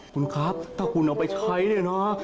คุณครับถ้าคุณเอาไปใช้เนี่ยนะ